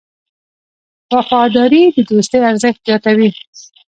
وفاداري د دوستۍ ارزښت زیاتوي.